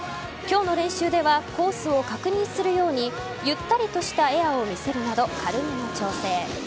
今日の練習ではコースを確認するようにゆったりとしたエアを見せるなど軽めの調整。